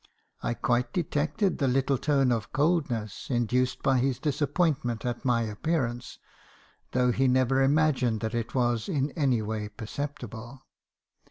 I quite detected the little tone of coldness, induced by his disappointment at my appearance, though he never imagined that it was in anyway perceptible.